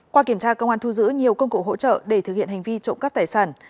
qua kiểm tra công an thu giữ nhiều công cụ hỗ trợ để thực hiện hành vi trộm cắp tài sản